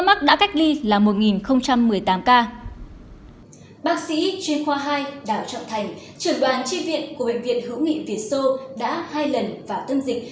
bác sĩ chuyên khoa hai đào trọng thành trưởng đoàn tri viện của bệnh viện hữu nghị việt sô đã hai lần vào tâm dịch tại tỉnh bắc giang